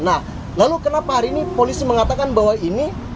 nah lalu kenapa hari ini polisi mengatakan bahwa ini